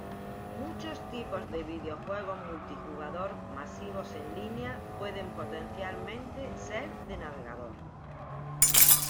Muchos tipos de videojuegos multijugador masivos en línea pueden potencialmente ser de navegador.